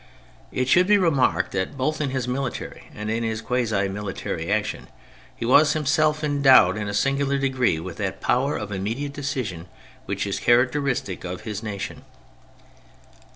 It should be remarked that both in his military and in his quasi military action he was himself endowed in a singular degree with that power of inmiediate decision which is characteristic of his nation.